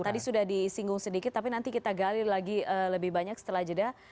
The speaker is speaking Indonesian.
tadi sudah disinggung sedikit tapi nanti kita gali lagi lebih banyak setelah jeda